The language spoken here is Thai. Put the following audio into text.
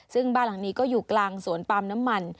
ซึ่งบ้านหลังนี้ก็อยู่กลางสวนปาล์มน้ำมัน